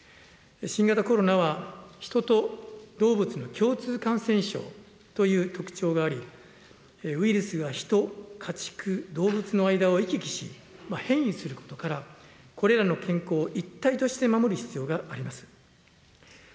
新型コロナは人と動物の共通感染症という特徴があり、ウイルスが人、家畜、動物の間を行き来し、変異することから、これらの健康を一体として守る必要があります。